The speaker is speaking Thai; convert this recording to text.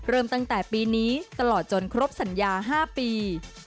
เริ่มตั้งแต่ปีนี้ตลอดจนครบสัญญา๕ปี